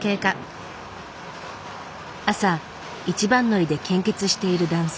朝一番乗りで献血している男性。